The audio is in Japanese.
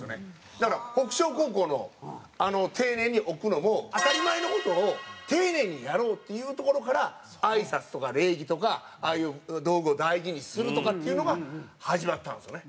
だから北照高校のあの丁寧に置くのも当たり前の事を丁寧にやろうっていうところからあいさつとか礼儀とかああいう道具を大事にするとかっていうのが始まったんですよね。